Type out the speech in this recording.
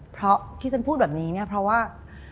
เพราะที่ฉันพูดแบบนี้เนี่ยเพราะว่า